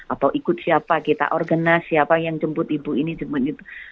atau ikut siapa kita organas siapa yang jemput ibu ini cuma itu